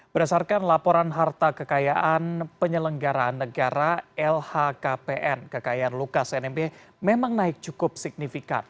berdasarkan laporan harta kekayaan penyelenggaraan negara lhkpn kekayaan lukas nmb memang naik cukup signifikan